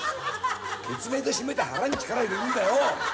ケツの穴締めて腹に力を入れるんだよ！